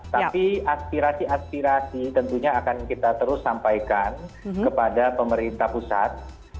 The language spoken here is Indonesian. tapi aspirasi aspirasi tentunya akan kita terus sampaikan kepada pemerintah pusat